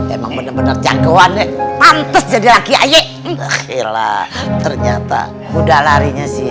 emang bener bener jagoan pantas jadi laki aje kek gila ternyata mudah larinya sih